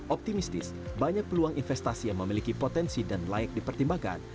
optimistis banyak peluang investasi yang memiliki potensi dan layak dipertimbangkan